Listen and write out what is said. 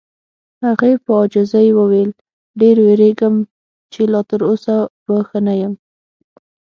هغې په عاجزۍ وویل: ډېر وېریږم چې لا تر اوسه به ښه نه یم.